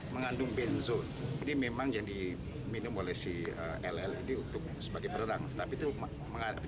mengandung benzo ini memang jadi minum oleh si ll ini untuk sebagai pererang tapi itu menghadapi